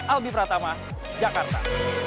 albi pratama jakarta